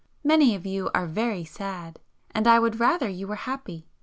Many of you are very sad, and I would rather you were happy.